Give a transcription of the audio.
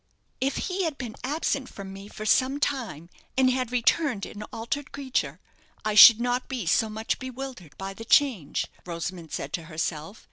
"If he had been absent from me for some time, and had returned an altered creature, I should not be so much bewildered by the change," Rosamond said to herself.